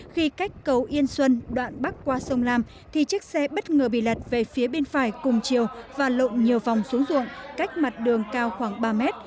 khi cách cầu yên xuân đoạn bắc qua sông lam thì chiếc xe bất ngờ bị lật về phía bên phải cùng chiều và lộn nhiều vòng xuống ruộng cách mặt đường cao khoảng ba mét